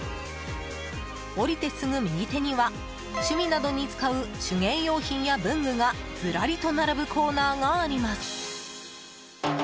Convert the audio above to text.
降りてすぐ右手には趣味などに使う手芸用品や文具がずらりと並ぶコーナーがあります。